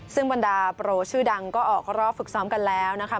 ซึ่งบรรดาโปรชื่อดังก็ออกรอบฝึกซ้อมกันแล้วนะคะ